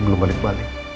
belum balik bali